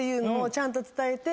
ちゃんと伝えて。